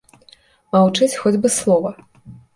Маўчыць, хоць бы слова.